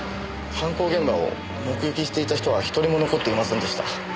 犯行現場を目撃していた人は１人も残っていませんでした。